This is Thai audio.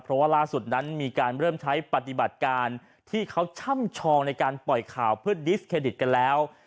เพราะว่าล่าสุดนั้นมีการเริ่มใช้ปฏิบัติการที่เขาช่ำชองในการปล่อยข่าวเพื่อดิสเครดิตกันแล้ว